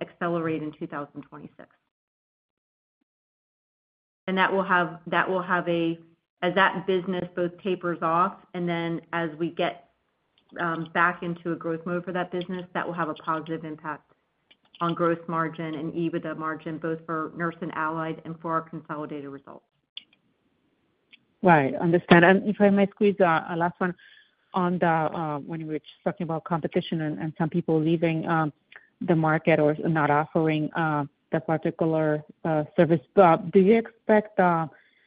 accelerate in 2026, and that will have a positive impact on gross margin and EBITDA margin, both for nurse and allied and for our consolidated results, as that business both tapers off, and then as we get back into a growth mode for that business. Right. Understand, and if I may squeeze a last one on the when we were just talking about competition and some people leaving the market or not offering the particular service, do you expect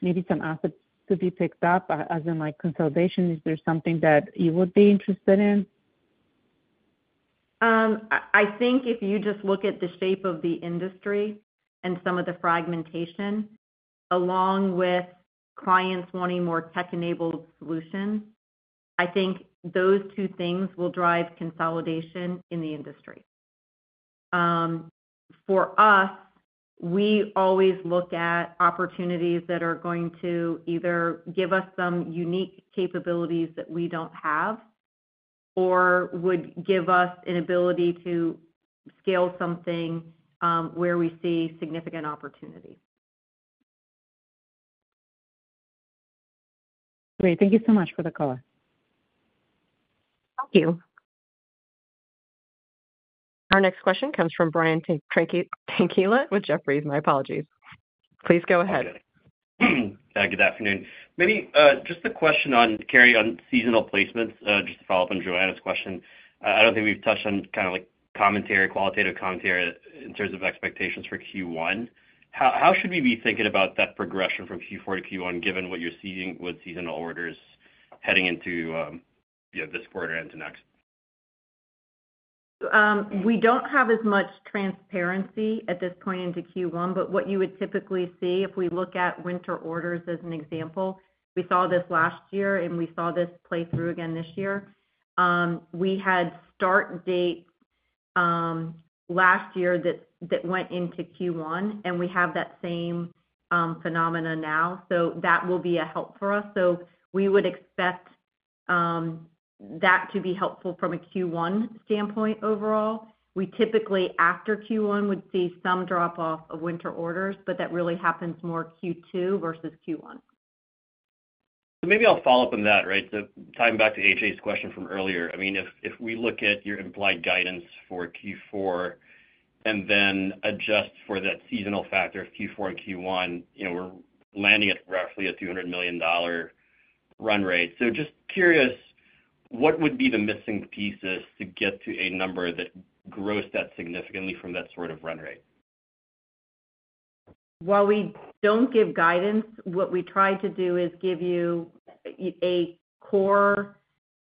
maybe some assets to be picked up as in consolidation? Is there something that you would be interested in? I think if you just look at the shape of the industry and some of the fragmentation along with clients wanting more tech-enabled solutions, I think those two things will drive consolidation in the industry. For us, we always look at opportunities that are going to either give us some unique capabilities that we don't have or would give us an ability to scale something where we see significant opportunity. Great. Thank you so much for the call. Thank you. Our next question comes from Brian Tanquilut with Jefferies. My apologies. Please go ahead. Good afternoon. Maybe just a question on carryover seasonal placements, just to follow up on Joanna's question. I don't think we've touched on kind of qualitative commentary in terms of expectations for Q1. How should we be thinking about that progression from Q4 to Q1 given what you're seeing with seasonal orders heading into this quarter and into next? We don't have as much transparency at this point into Q1, but what you would typically see if we look at winter orders as an example, we saw this last year, and we saw this play through again this year. We had start dates last year that went into Q1, and we have that same phenomenon now. So that will be a help for us. So we would expect that to be helpful from a Q1 standpoint overall. We typically, after Q1, would see some drop-off of winter orders, but that really happens more Q2 versus Q1. So maybe I'll follow up on that, right? So tying back to AJ's question from earlier, I mean, if we look at your implied guidance for Q4 and then adjust for that seasonal factor of Q4 and Q1, we're landing at roughly a $200 million run rate. So just curious, what would be the missing pieces to get to a number that grows that significantly from that sort of run rate? While we don't give guidance, what we try to do is give you a core,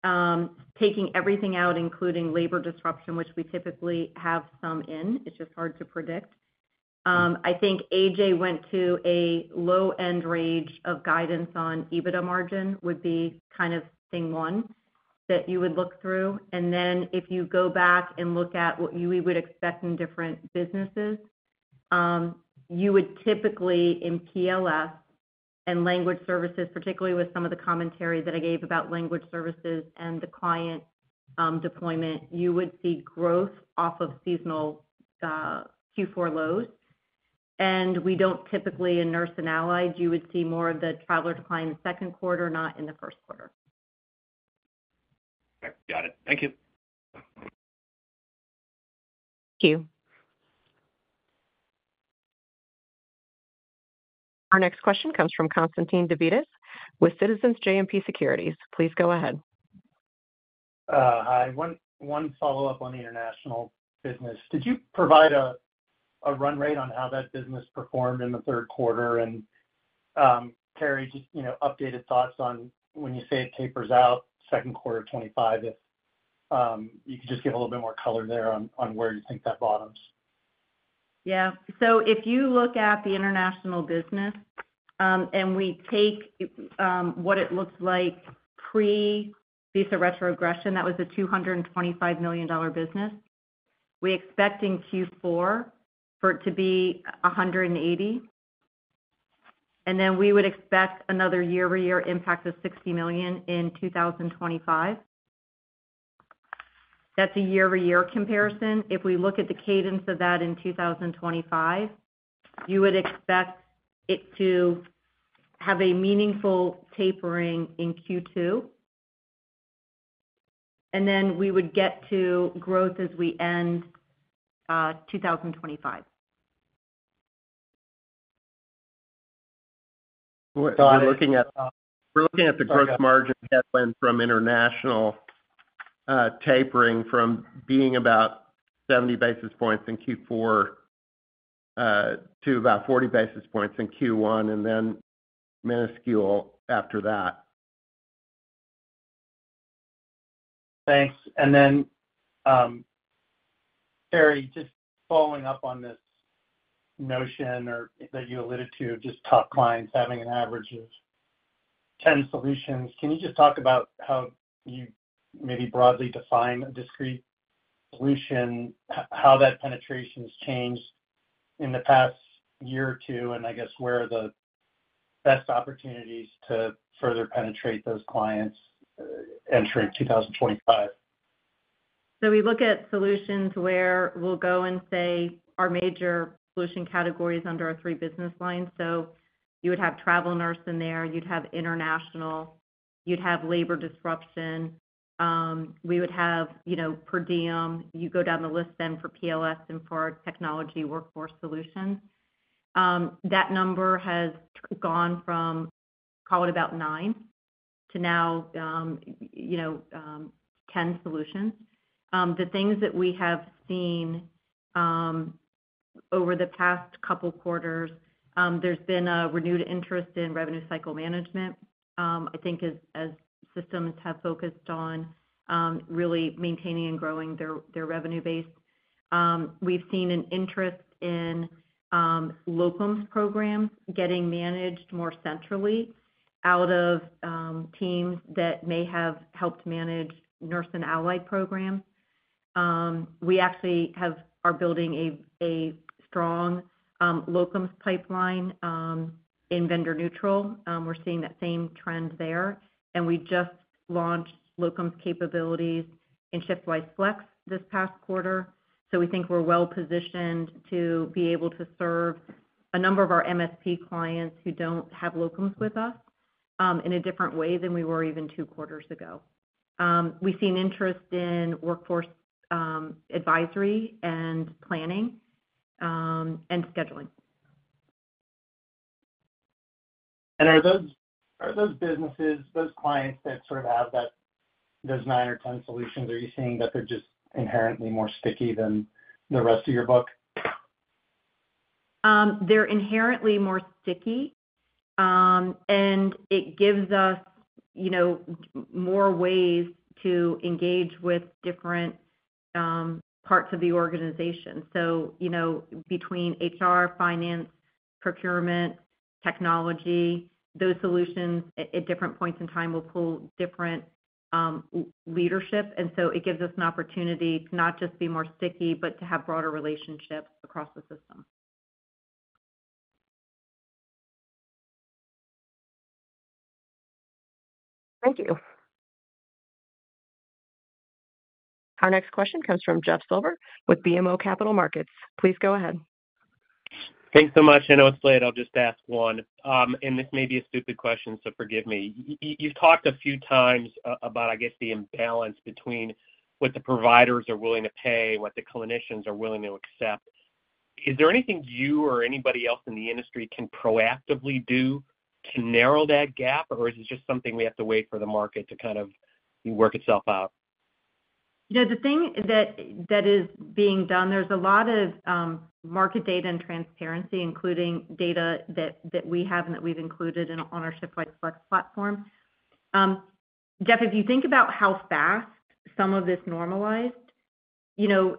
taking everything out, including labor disruption, which we typically have some in. It's just hard to predict. I think AJ went to a low-end range of guidance on EBITDA margin would be kind of thing one that you would look through. And then if you go back and look at what we would expect in different businesses, you would typically in PLS and language services, particularly with some of the commentary that I gave about language services and the client deployment, you would see growth off of seasonal Q4 lows. And we don't typically in nurse and allied, you would see more of the traveler decline in the second quarter, not in the first quarter. Got it. Thank you. Thank you. Our next question comes from Constantine Davides, with Citizens JMP Securities. Please go ahead. Hi. One follow-up on the international business. Did you provide a run rate on how that business performed in the third quarter? And Cary, just updated thoughts on when you say it tapers out, second quarter 2025, if you could just give a little bit more color there on where you think that bottoms. Yeah. So if you look at the international business and we take what it looks like pre-visa retrogression, that was a $225 million business. We expect in Q4 for it to be $180 million. And then we would expect another year-over-year impact of $60 million in 2025. That's a year-over-year comparison. If we look at the cadence of that in 2025, you would expect it to have a meaningful tapering in Q2. And then we would get to growth as we end 2025. We're looking at the gross margin headwind from international tapering from being about 70 basis points in Q4 to about 40 basis points in Q1, and then minuscule after that. Thanks. Then, Cary, just following up on this notion that you alluded to of just top clients having an average of 10 solutions, can you just talk about how you maybe broadly define a discrete solution, how that penetration's changed in the past year or two, and I guess where are the best opportunities to further penetrate those clients entering 2025? So we look at solutions where we'll go and say our major solution categories under our three business lines. So you would have travel nurse in there. You'd have international. You'd have labor disruption. We would have per diem. You go down the list then for PLS and for our technology workforce solutions. That number has gone from, call it about nine to now 10 solutions. The things that we have seen over the past couple of quarters, there's been a renewed interest in revenue cycle management, I think, as systems have focused on really maintaining and growing their revenue base. We've seen an interest in locums programs getting managed more centrally out of teams that may have helped manage nurse and allied programs. We actually are building a strong locums pipeline in vendor neutral. We're seeing that same trend there. And we just launched locums capabilities in ShiftWise Flex this past quarter. So we think we're well-positioned to be able to serve a number of our MSP clients who don't have locums with us in a different way than we were even two quarters ago. We've seen interest in workforce advisory and planning and scheduling. Are those businesses, those clients that sort of have those nine or 10 solutions, are you seeing that they're just inherently more sticky than the rest of your book? They're inherently more sticky. And it gives us more ways to engage with different parts of the organization. So between HR, finance, procurement, technology, those solutions at different points in time will pull different leadership. And so it gives us an opportunity to not just be more sticky, but to have broader relationships across the system. Thank you. Our next question comes from Jeff Silber with BMO Capital Markets. Please go ahead. Thanks so much. I know it's late. I'll just ask one. And this may be a stupid question, so forgive me. You've talked a few times about, I guess, the imbalance between what the providers are willing to pay, what the clinicians are willing to accept. Is there anything you or anybody else in the industry can proactively do to narrow that gap, or is it just something we have to wait for the market to kind of work itself out? Yeah. The thing that is being done. There's a lot of market data and transparency, including data that we have and that we've included in our ShiftWise Flex platform. Jeff, if you think about how fast some of this normalized, you've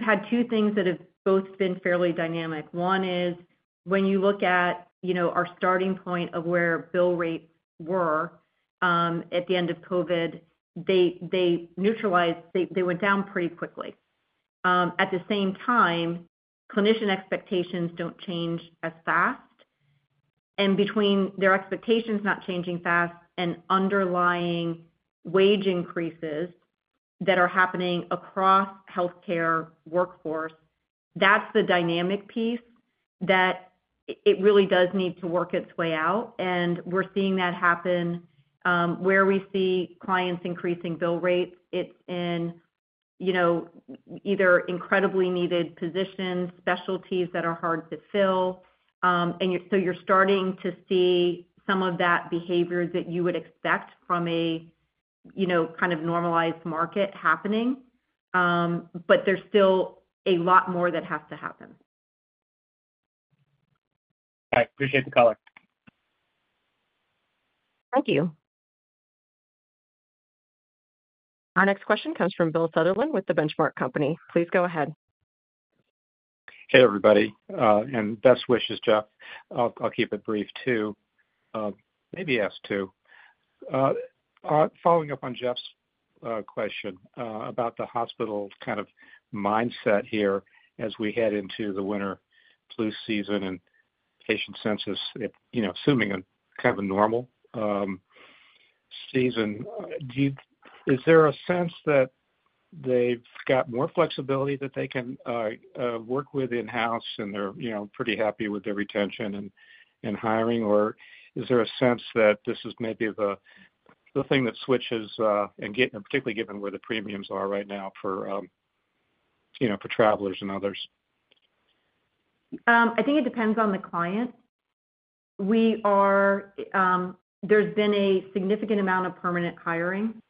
had two things that have both been fairly dynamic. One is when you look at our starting point of where bill rates were at the end of COVID. They neutralized. They went down pretty quickly. At the same time, clinician expectations don't change as fast, and between their expectations not changing fast and underlying wage increases that are happening across healthcare workforce, that's the dynamic piece that it really does need to work its way out, and we're seeing that happen where we see clients increasing bill rates. It's in either incredibly needed positions, specialties that are hard to fill. You're starting to see some of that behavior that you would expect from a kind of normalized market happening, but there's still a lot more that has to happen. I appreciate the color. Thank you. Our next question comes from Bill Sutherland with The Benchmark Company. Please go ahead. Hey, everybody. And best wishes, Jeff. I'll keep it brief too. Maybe ask two. Following up on Jeff's question about the hospital kind of mindset here as we head into the winter flu season and patient census, assuming a kind of a normal season, is there a sense that they've got more flexibility that they can work with in-house and they're pretty happy with their retention and hiring, or is there a sense that this is maybe the thing that switches and particularly given where the premiums are right now for travelers and others? I think it depends on the client. There's been a significant amount of permanent hiring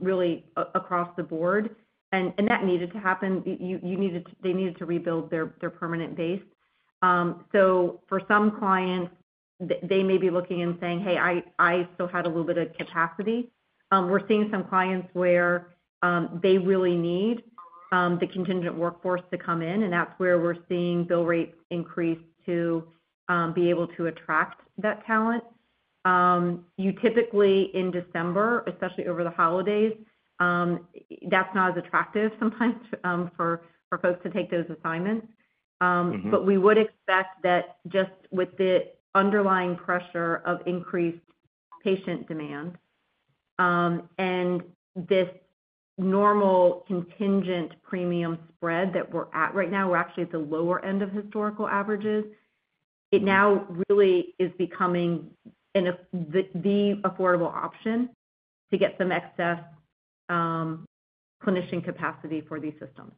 really across the board, and that needed to happen. They needed to rebuild their permanent base, so for some clients, they may be looking and saying, "Hey, I still had a little bit of capacity." We're seeing some clients where they really need the contingent workforce to come in, and that's where we're seeing bill rates increase to be able to attract that talent. You typically, in December, especially over the holidays, that's not as attractive sometimes for folks to take those assignments, but we would expect that just with the underlying pressure of increased patient demand and this normal contingent premium spread that we're at right now, we're actually at the lower end of historical averages. It now really is becoming the affordable option to get some excess clinician capacity for these systems.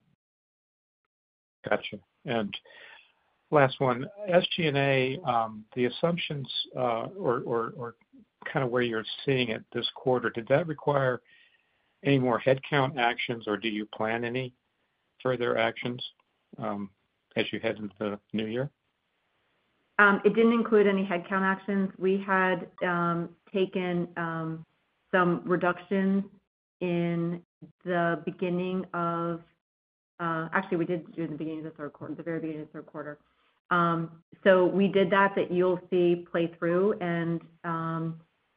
Gotcha. And last one. SG&A, the assumptions or kind of where you're seeing it this quarter, did that require any more headcount actions, or do you plan any further actions as you head into the new year? It didn't include any headcount actions. We had taken some reductions in the beginning of, actually, we did do it in the beginning of the third quarter, the very beginning of the third quarter, so we did that you'll see play through and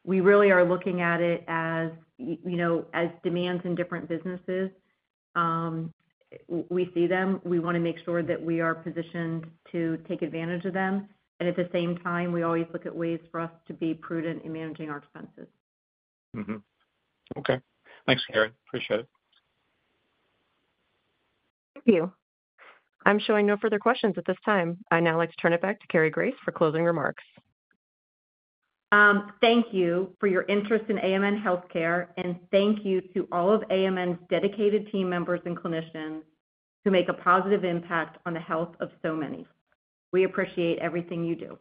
we really are looking at it as demands in different businesses. We see them. We want to make sure that we are positioned to take advantage of them and at the same time, we always look at ways for us to be prudent in managing our expenses. Okay. Thanks, Cary. Appreciate it. Thank you. I'm showing no further questions at this time. I now like to turn it back to Cary Grace for closing remarks. Thank you for your interest in AMN Healthcare, and thank you to all of AMN's dedicated team members and clinicians who make a positive impact on the health of so many. We appreciate everything you do.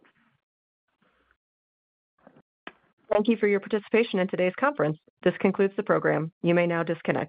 Thank you for your participation in today's conference. This concludes the program. You may now disconnect.